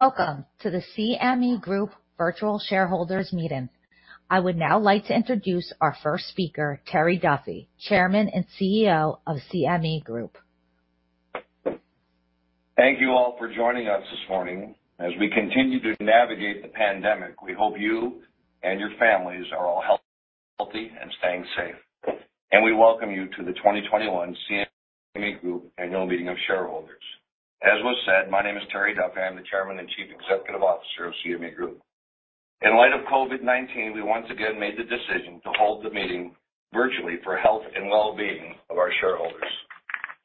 Welcome to the CME Group Virtual Shareholders Meeting. I would now like to introduce our first speaker, Terry Duffy, Chairman and CEO of CME Group. Thank you all for joining us this morning. As we continue to navigate the pandemic, we hope you and your families are all healthy and staying safe. We welcome you to the 2021 CME Group Annual Meeting of Shareholders. As was said, my name is Terrence Duffy. I'm the Chairman and Chief Executive Officer of CME Group. In light of COVID-19, we once again made the decision to hold the meeting virtually for health and wellbeing of our shareholders.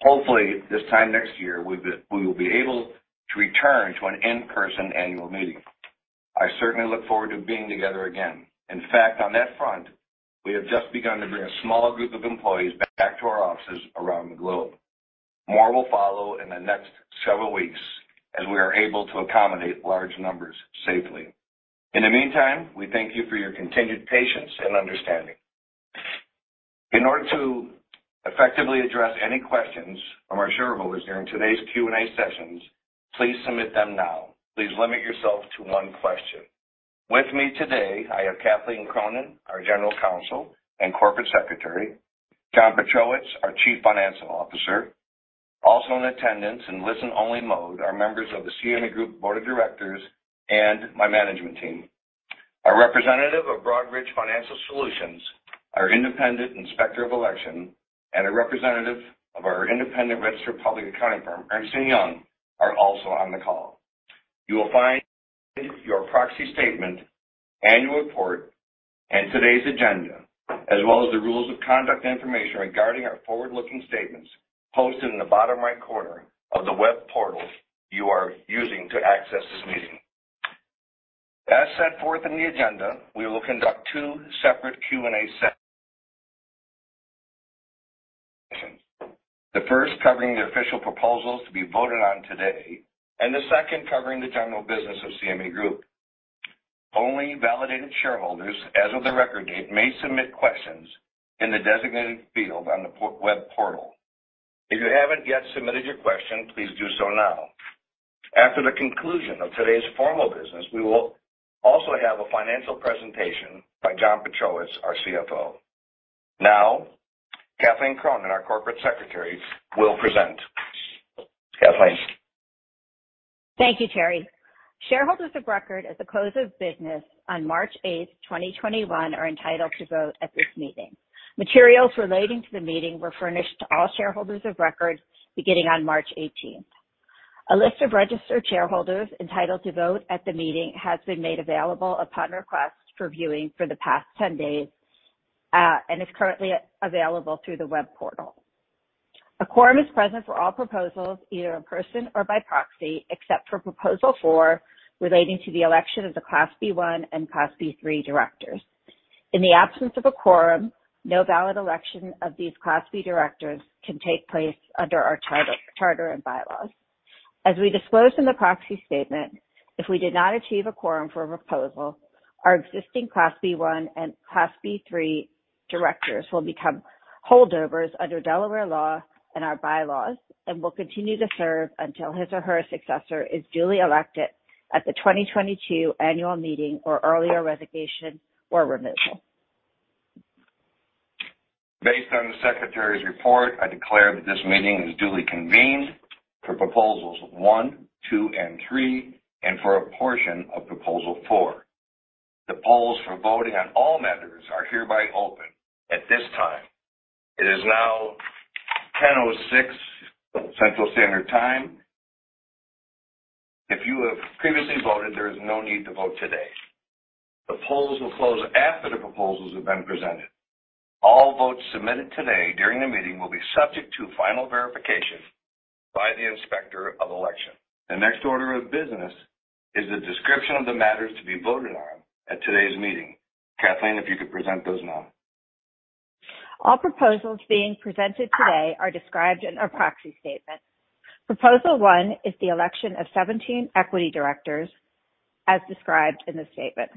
Hopefully, this time next year, we will be able to return to an in-person annual meeting. I certainly look forward to being together again. In fact, on that front, we have just begun to bring a small group of employees back to our offices around the globe. More will follow in the next several weeks as we are able to accommodate large numbers safely. In the meantime, we thank you for your continued patience and understanding. In order to effectively address any questions from our shareholders during today's Q&A sessions, please submit them now. Please limit yourself to one question. With me today, I have Kathleen Cronin, our General Counsel and Corporate Secretary, John Pietrowicz, our Chief Financial Officer. Also in attendance in listen-only mode are members of the CME Group Board of Directors and my management team. Our representative of Broadridge Financial Solutions, our independent Inspector of Election, and a representative of our independent registered public accounting firm, Ernst & Young, are also on the call. You will find your proxy statement, annual report, and today's agenda, as well as the rules of conduct information regarding our forward-looking statements posted in the bottom right corner of the web portal you are using to access this meeting. As set forth in the agenda, we will conduct two separate Q&A sessions. The first covering the official proposals to be voted on today, and the second covering the general business of CME Group. Only validated shareholders as of the record date may submit questions in the designated field on the web portal. If you haven't yet submitted your question, please do so now. After the conclusion of today's formal business, we will also have a financial presentation by John Pietrowicz, our CFO. Now, Kathleen Cronin, our Corporate Secretary, will present. Kathleen. Thank you, Terry. Shareholders of record at the close of business on March 8th, 2021, are entitled to vote at this meeting. Materials relating to the meeting were furnished to all shareholders of record beginning on March 18th. A list of registered shareholders entitled to vote at the meeting has been made available upon request for viewing for the past 10 days, and is currently available through the web portal. A quorum is present for all proposals, either in person or by proxy, except for Proposal Four relating to the election of the Class B-1 and Class B-3 directors. In the absence of a quorum, no valid election of these Class B directors can take place under our charter and bylaws. As we disclose in the proxy statement, if we did not achieve a quorum for a proposal, our existing Class B-1 and Class B-3 directors will become holdovers under Delaware law and our bylaws and will continue to serve until his or her successor is duly elected at the 2022 annual meeting or earlier resignation or removal. Based on the Secretary's report, I declare that this meeting is duly convened for Proposals One, Two, and Three and for a portion of Proposal Four. The polls for voting on all matters are hereby open at this time. It is now 10:06 A.M. Central Standard Time. If you have previously voted, there is no need to vote today. The polls will close after the proposals have been presented. All votes submitted today during the meeting will be subject to final verification by the Inspector of Election. The next order of business is the description of the matters to be voted on at today's meeting. Kathleen, if you could present those now. All proposals being presented today are described in our proxy statement. Proposal One is the election of 17 equity directors as described in the statement.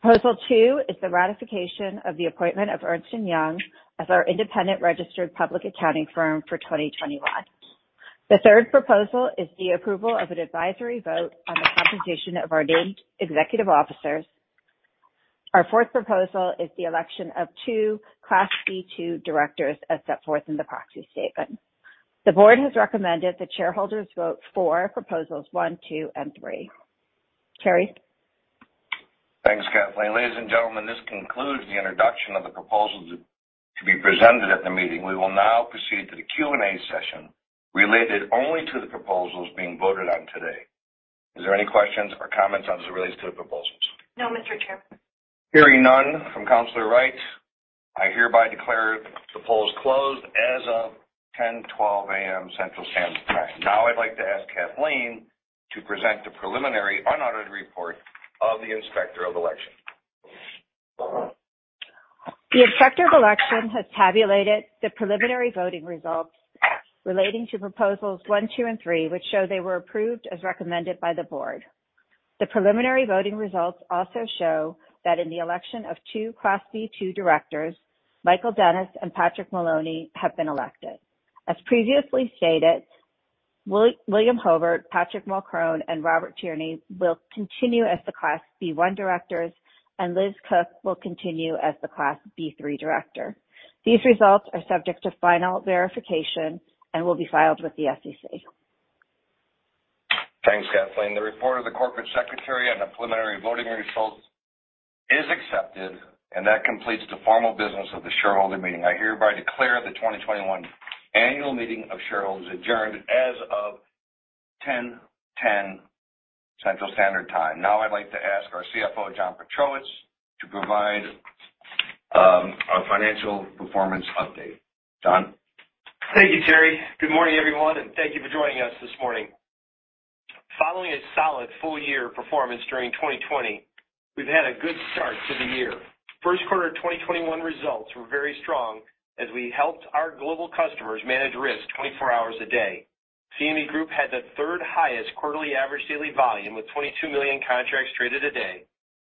Proposal Two is the ratification of the appointment of Ernst & Young as our independent registered public accounting firm for 2021. The third proposal is the approval of an advisory vote on the compensation of our named executive officers. Our fourth proposal is the election of two Class C2 directors as set forth in the proxy statement. The board has recommended that shareholders vote for Proposals One, Two, and Three. Terry? Thanks, Kathleen. Ladies and gentlemen, this concludes the introduction of the proposals to be presented at the meeting. We will now proceed to the Q&A session related only to the proposals being voted on today. Is there any questions or comments as it relates to the proposals? No, Mr. Chair. Hearing none from Counselor Wright, I hereby declare the polls closed as of 10:12 A.M. Central Standard Time. I'd like to ask Kathleen to present the preliminary unaudited report of the Inspector of Election. The Inspector of Election has tabulated the preliminary voting results relating to Proposals one, two, and three, which show they were approved as recommended by the board. The preliminary voting results also show that in the election of 2 Class B-2 directors, Michael G. Dennis and Patrick W. Maloney have been elected. As previously stated, William W. Hobert, Patrick J. Mulchrone, and Robert J. Tierney will continue as the Class B-1 directors, and Elizabeth A. Cook will continue as the Class B-3 director. These results are subject to final verification and will be filed with the SEC. Thanks, Kathleen. The report of the corporate secretary on the preliminary voting results is accepted, and that completes the formal business of the shareholder meeting. I hereby declare the 2021 annual meeting of shareholders adjourned as of 10:10 A.M. Central Standard Time. Now I'd like to ask our CFO, John Pietrowicz, to provide a financial performance update. John? Thank you, Terry. Good morning, everyone, and thank you for joining us this morning. Following a solid full-year performance during 2020, we've had a good start to the year. First quarter 2021 results were very strong as we helped our global customers manage risk 24 hours a day. CME Group had the third highest quarterly average daily volume with 22 million contracts traded a day.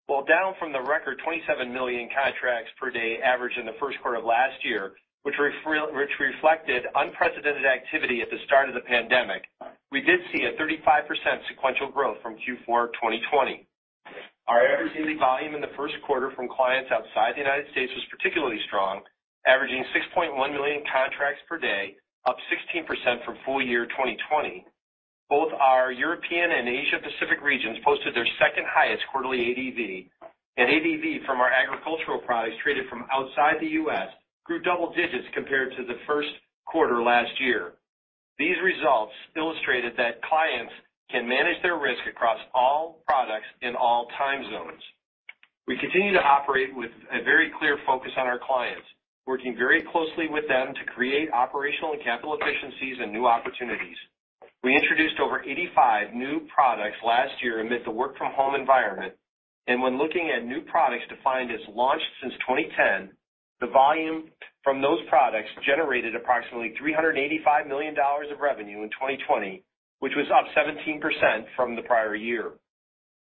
While down from the record 27 million contracts per day averaged in the first quarter of last year, which reflected unprecedented activity at the start of the pandemic, we did see a 35% sequential growth from Q4 2020. Our average daily volume in the first quarter from clients outside the U.S. was particularly strong, averaging 6.1 million contracts per day, up 16% from full year 2020. Both our European and Asia Pacific regions posted their second highest quarterly ADV, and ADV from our agricultural products traded from outside the U.S. grew double digits compared to the first quarter last year. These results illustrated that clients can manage their risk across all products in all time zones. We continue to operate with a very clear focus on our clients, working very closely with them to create operational and capital efficiencies and new opportunities. We introduced over 85 new products last year amid the work-from-home environment. When looking at new products defined as launched since 2010, the volume from those products generated approximately $385 million of revenue in 2020, which was up 17% from the prior year.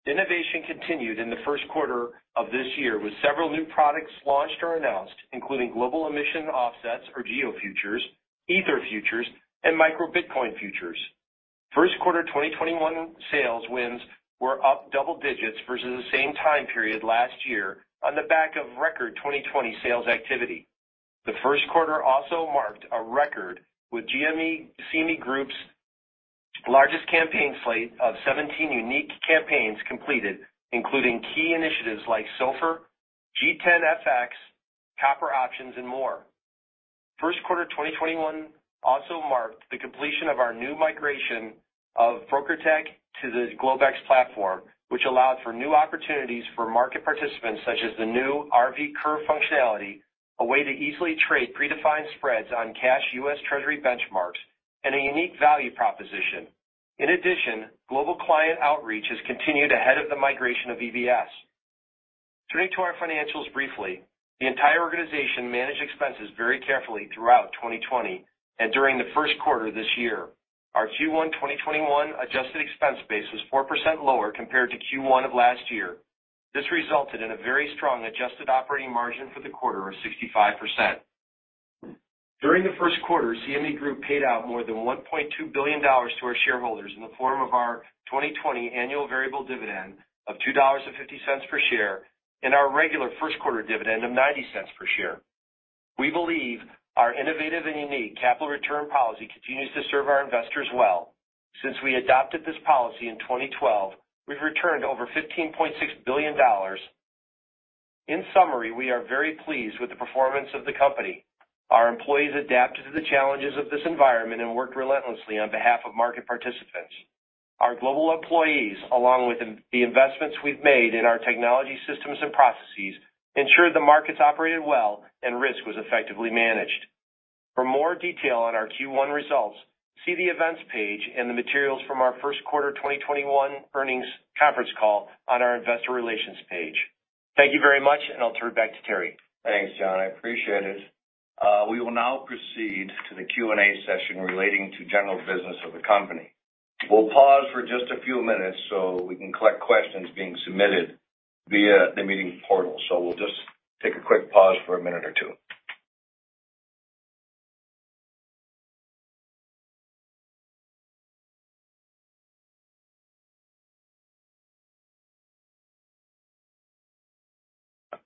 Innovation continued in the first quarter of this year with several new products launched or announced, including Global Emissions Offset or GEO Futures, Ether Futures, and Micro Bitcoin futures. First quarter 2021 sales wins were up double digits versus the same time period last year on the back of record 2020 sales activity. The first quarter also marked a record with CME Group's largest campaign slate of 17 unique campaigns completed, including key initiatives like SOFR, G10 FX, Copper Options, and more. First quarter 2021 also marked the completion of our new migration of BrokerTec to the Globex platform, which allowed for new opportunities for market participants such as the new RV Curve functionality, a way to easily trade predefined spreads on cash U.S. Treasury benchmarks and a unique value proposition. In addition, global client outreach has continued ahead of the migration of EBS. Turning to our financials briefly, the entire organization managed expenses very carefully throughout 2020 and during the first quarter this year. Our Q1 2021 adjusted expense base was 4% lower compared to Q1 of last year. This resulted in a very strong adjusted operating margin for the quarter of 65%. During the first quarter, CME Group paid out more than $1.2 billion to our shareholders in the form of our 2020 annual variable dividend of $2.50 per share and our regular first quarter dividend of $0.90 per share. We believe our innovative and unique capital return policy continues to serve our investors well. Since we adopted this policy in 2012, we've returned over $15.6 billion. In summary, we are very pleased with the performance of the company. Our employees adapted to the challenges of this environment and worked relentlessly on behalf of market participants. Our global employees, along with the investments we've made in our technology systems and processes, ensured the markets operated well and risk was effectively managed. For more detail on our Q1 results, see the Events page and the materials from our first quarter 2021 earnings conference call on our Investor Relations page. Thank you very much, and I'll turn it back to Terry. Thanks, John. I appreciate it. We will now proceed to the Q&A session relating to general business of the company. We'll pause for just a few minutes so we can collect questions being submitted via the meeting portal. We'll just take a quick pause for a minute or two.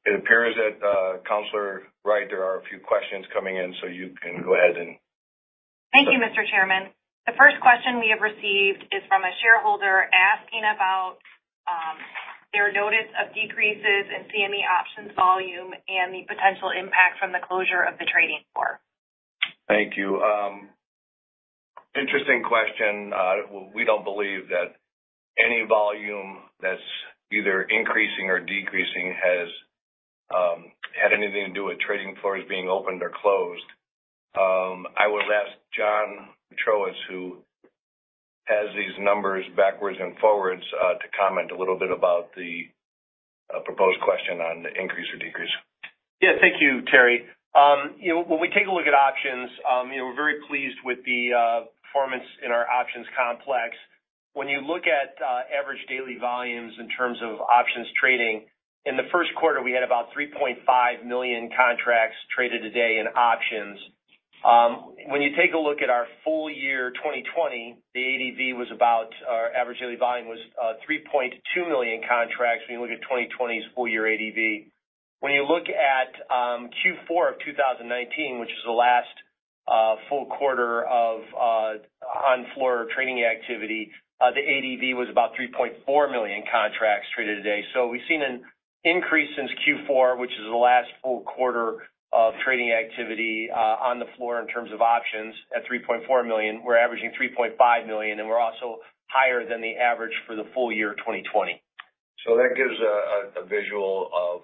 It appears that, Counselor Wright, there are a few questions coming in, so you can go ahead. Thank you, Mr. Chairman. The first question we have received is from a shareholder asking about their notice of decreases in CME option volume and the potential impact from the closure of the trading floor. Thank you. Interesting question. We don't believe that any volume that's either increasing or decreasing has had anything to do with trading floors being opened or closed. I would ask John Pietrowicz, who has these numbers backwards and forwards, to comment a little bit about the proposed question on the increase or decrease. Thank you, Terry. When we take a look at options, we're very pleased with the performance in our options complex. In the first quarter, we had about 3.5 million contracts traded a day in options. Our average daily volume was 3.2 million contracts when you look at 2020's full year ADV. Q4 of 2019, which is the last full quarter of on-floor trading activity, the ADV was about 3.4 million contracts traded a day. We've seen an increase since Q4, which is the last full quarter of trading activity on the floor in terms of options at 3.4 million. We're averaging $3.5 million, and we're also higher than the average for the full year 2020. That gives a visual of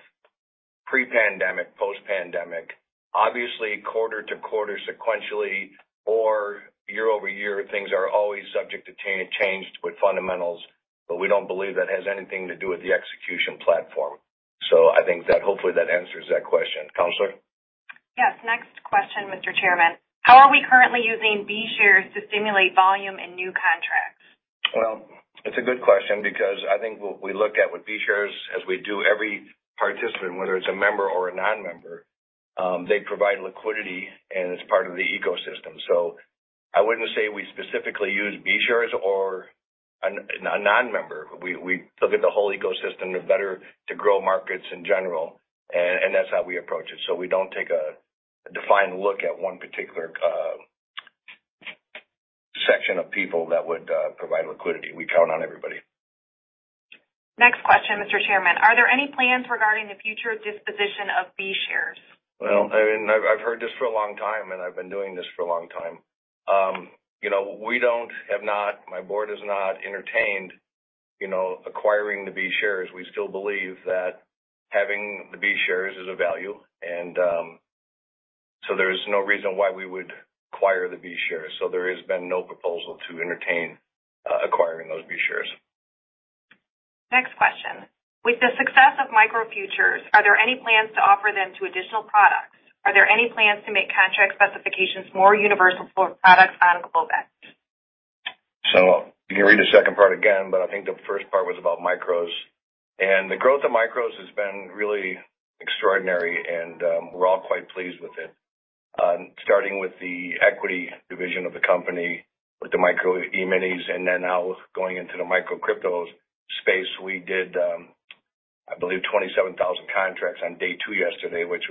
pre-pandemic, post-pandemic. Obviously, quarter-to-quarter sequentially or year-over-year, things are always subject to change with fundamentals, but we don't believe that has anything to do with the execution platform. I think that hopefully that answers that question. Counselor? Yes. Next question, Mr. Chairman. How are we currently using B shares to stimulate volume in new contracts? Well, it's a good question because I think what we look at with B shares, as we do every participant, whether it's a member or a non-member, they provide liquidity, and it's part of the ecosystem. I wouldn't say we specifically use B shares or a non-member. We look at the whole ecosystem to better grow markets in general, and that's how we approach it. We don't take a defined look at one particular section of people that would provide liquidity. We count on everybody. Next question, Mr. Chairman. Are there any plans regarding the future disposition of B shares? Well, I've heard this for a long time. I've been doing this for a long time. My board has not entertained acquiring the B shares. We still believe that having the B shares is of value. There is no reason why we would acquire the B shares. There has been no proposal to entertain acquiring those B shares. Next question. With the success of micro futures, are there any plans to offer them to additional products? Are there any plans to make contract specifications more universal for products on Globex? You can read the second part again, but I think the first part was about micros. The growth of micros has been really extraordinary, and we're all quite pleased with it. Starting with the equity division of the company, with the Micro E-minis and then now going into the micro cryptos space, we did, I believe, 27,000 contracts on day two yesterday, which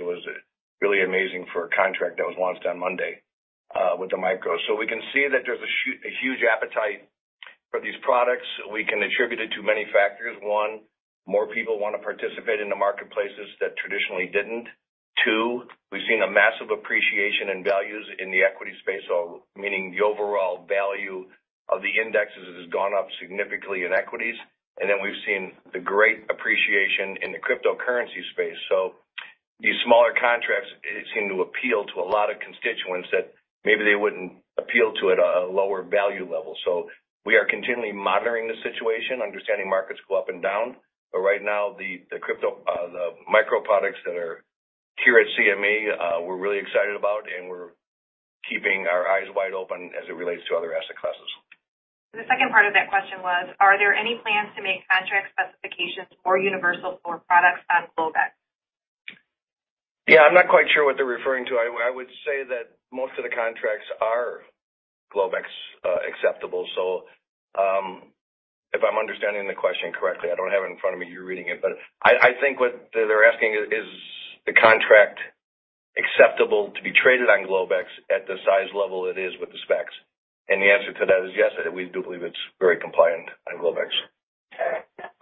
was really amazing for a contract that was launched on Monday with the micros. We can see that there's a huge appetite for these products. We can attribute it to many factors. One, more people want to participate in the marketplaces that traditionally didn't. Two, we've seen a massive appreciation in values in the equity space, so meaning the overall value of the indexes has gone up significantly in equities. We've seen the great appreciation in the cryptocurrency space. These smaller contracts seem to appeal to a lot of constituents that maybe they wouldn't appeal to at a lower value level. We are continually monitoring the situation, understanding markets go up and down. Right now, the micro products that are here at CME, we're really excited about, and we're keeping our eyes wide open as it relates to other asset classes. The second part of that question was, are there any plans to make contract specifications more universal for products on Globex? Yeah, I'm not quite sure what they're referring to. I would say that most of the contracts are Globex acceptable. If I'm understanding the question correctly, I don't have it in front of me, you're reading it, but I think what they're asking is the contract acceptable to be traded on Globex at the size level it is with the specs and the answer to that is yes, we do believe it's very compliant on Globex.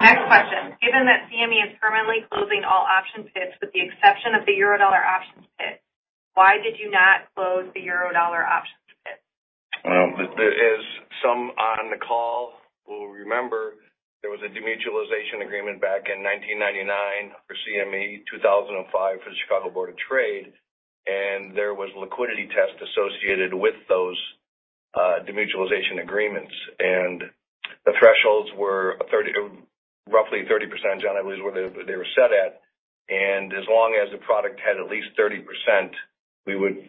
Next question. Given that CME is permanently closing all options pits with the exception of the Eurodollar options pit, why did you not close the Eurodollar options pit? As some on the call will remember, there was a demutualization agreement back in 1999 for CME, 2005 for the Chicago Board of Trade, and there was liquidity tests associated with those demutualization agreements. The thresholds were roughly 30%, John, I believe is what they were set at. As long as the product had at least 30%,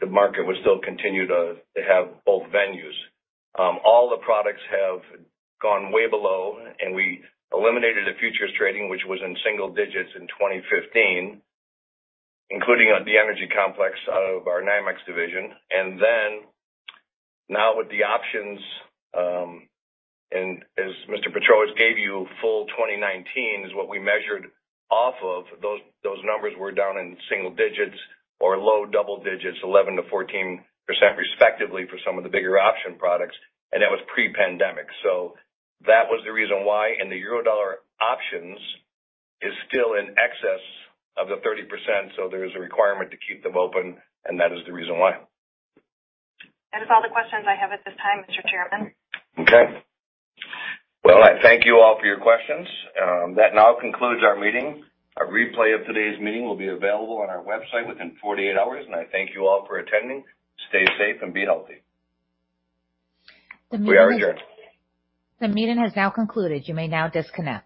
the market would still continue to have both venues. All the products have gone way below, and we eliminated the futures trading, which was in single digits in 2015, including the energy complex out of our NYMEX division. Now with the options, as Mr. Pietrowicz gave you, full 2019 is what we measured off of, those numbers were down in single digits or low double digits, 11%-14% respectively for some of the bigger option products, and that was pre-pandemic. That was the reason why. The Eurodollar options is still in excess of the 30%, there is a requirement to keep them open, that is the reason why. That is all the questions I have at this time, Mr. Chairman. Okay. Well, I thank you all for your questions. That now concludes our meeting. A replay of today's meeting will be available on our website within 48 hours, and I thank you all for attending. Stay safe and be healthy. We are adjourned. The meeting has now concluded. You may now disconnect.